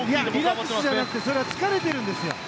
リラックスじゃなくてそれは疲れているんですよ。